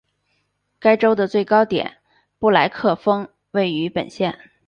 该州的最高点布莱克峰位于本县。